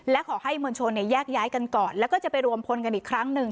และขอให้มวลชนแยกย้ายกันก่อนแล้วก็จะไปรวมพลกันอีกครั้งหนึ่ง